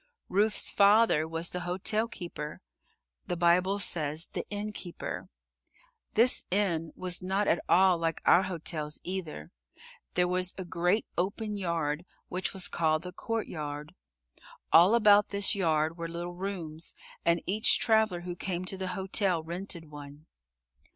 Ruth's father was the hotel keeper the Bible says the "inn keeper." This inn was not at all like our hotels, either. There was a great open yard, which was called the courtyard. All about this yard were little rooms and each traveler who came to the hotel rented one.